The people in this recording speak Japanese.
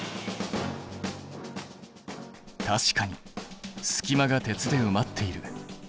確かに隙間が鉄でうまっている。